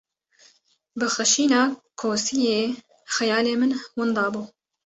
Bi xişîna kosiyê, xiyalê min winda bû.